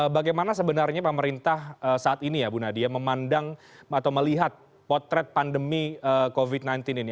bagaimana sebenarnya pemerintah saat ini ya bu nadia memandang atau melihat potret pandemi covid sembilan belas ini